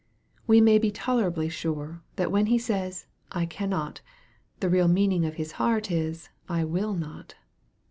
We may be tolerably sure that when he says " I cannot/' the real meaning of his heart is "I will not."